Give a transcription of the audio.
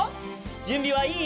じゅんびはいい？